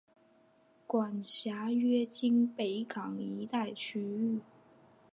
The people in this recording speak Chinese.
管辖约今北港一带区域。